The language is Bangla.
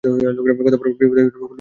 কত বড় বিপদে পড়েছ, কোনো ধারণা আছে?